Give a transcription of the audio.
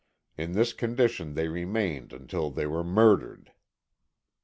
In this condition they remained until they were murdered.